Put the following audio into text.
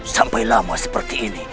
sampai lama seperti ini